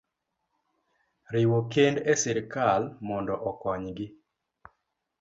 riwo kend e sirkal mondo okonygi.